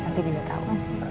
nanti juga tahu